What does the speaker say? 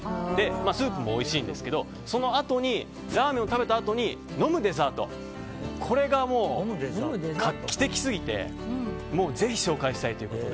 スープもおいしいんですけどそのあと、ラーメンを食べたあと飲むデザートがもう画期的すぎてぜひ紹介したいということで。